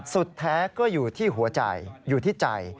สุดแท้ก็อยู่ที่หัวใจอยู่ที่ใจ